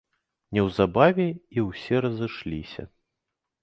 Неўзабаве і ўсе разышліся.